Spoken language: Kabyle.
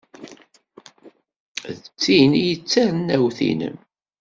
D tin ay d tarennawt-nnem.